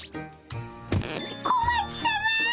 小町さま！